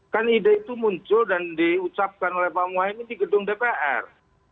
kan ide itu muncul dan diucapkan oleh pak muhaymin di gedung dpr